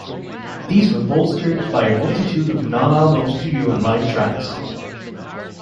These were bolstered by a multitude of non-album studio and live tracks.